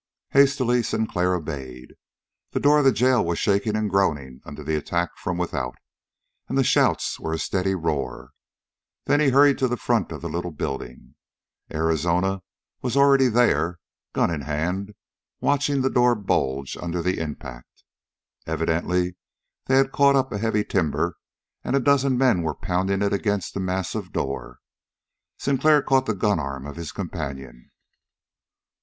Hastily Sinclair obeyed. The door of the jail was shaking and groaning under the attack from without, and the shouts were a steady roar. Then he hurried to the front of the little building. Arizona was already there, gun in hand, watching the door bulge under the impact. Evidently they had caught up a heavy timber, and a dozen men were pounding it against the massive door. Sinclair caught the gun arm of his companion.